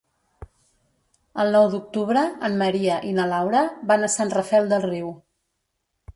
El nou d'octubre en Maria i na Laura van a Sant Rafel del Riu.